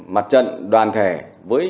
mặt trận đoàn thể với